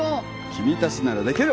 君達ならできる！